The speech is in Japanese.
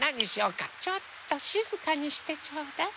ちょっとしずかにしてちょうだい。